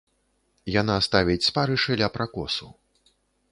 Яна ставіць спарышы ля пракосу.